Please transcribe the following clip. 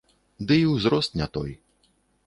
Ды і ўзрост не той.